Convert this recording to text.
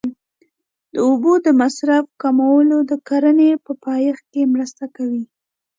د اوبو د مصرف کمول د کرنې په پایښت کې مرسته کوي.